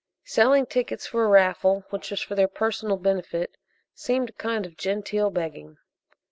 Selling tickets for a raffle which was for their personal benefit seemed a kind of genteel begging.